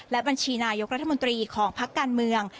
และบัญชีนายกรัฐมนตรีของพักการเมือง